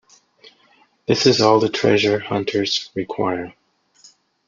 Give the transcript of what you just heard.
This is all the treasure hunters require.